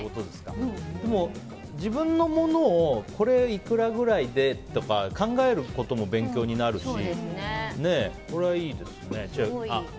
でも自分のものをこれ、いくらぐらいでとか考えることも勉強になるしこれはいいですね。